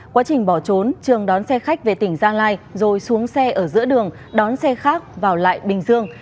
quá trình bỏ trốn trường đón xe khách về tỉnh gia lai rồi xuống xe ở giữa đường đón xe khác vào lại bình dương